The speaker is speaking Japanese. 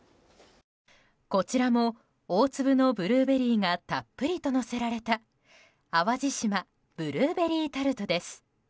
こちらも、大粒のブルーベリーがたっぷりとのせられた淡路島ブルーベリータルトです。